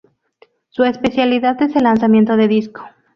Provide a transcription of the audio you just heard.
Su especialidad es el lanzamiento de disco.